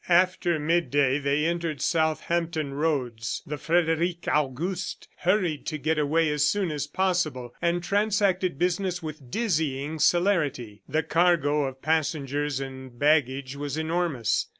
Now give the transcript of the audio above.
After midday, they entered Southampton roads. The Frederic August hurried to get away as soon as possible, and transacted business with dizzying celerity. The cargo of passengers and baggage was enormous.